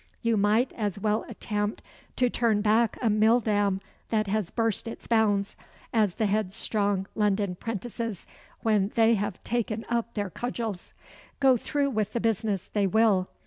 You might as well attempt to turn back a mill dam that has burst its bounds, as the headstrong London 'prentices when they have taken up their cudgels. Go through with the business they will.